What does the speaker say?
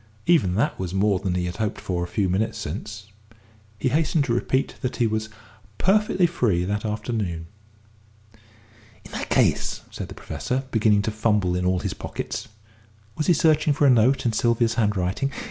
Even that was more than he had hoped for a few minutes since. He hastened to repeat that he was perfectly free that afternoon. "In that case," said the Professor, beginning to fumble in all his pockets was he searching for a note in Sylvia's handwriting?